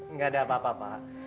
nggak ada apa apa pak